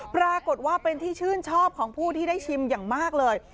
ปรากฏว่าเป็นที่ชื่นชอบของผู้ที่ได้ชิมอย่างมากเลย